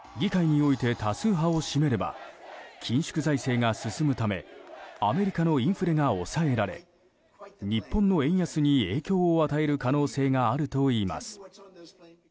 議会において多数派を占めれば緊縮財政が進むためアメリカのインフレが抑えられ日本の円安に影響を与える可能性があるといいます。